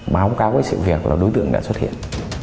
báo cáo với sự việc là đối tượng đã xuất hiện